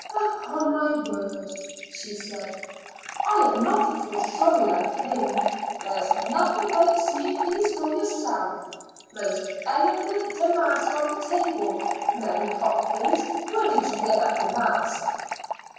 "Upon my word," she said, "I'm not at all sorry I came. There's nothing like seeing things for yourself. Most elegant damask on the table. Mary Hopkins, where did you get that damask?"